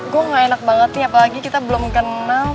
gue gak enak banget nih apalagi kita belum kenal